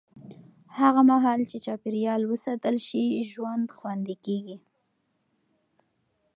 هغه مهال چې چاپېریال وساتل شي، ژوند خوندي کېږي.